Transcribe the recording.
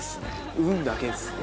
運だけですね。